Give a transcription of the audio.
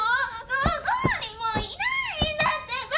どこにもいないんだってば。